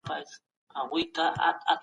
سیاستوال څنګه نړیوال قانون عملي کوي؟